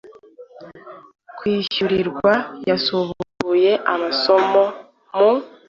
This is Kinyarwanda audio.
kwishyurirwa yasubukuye amasomo mu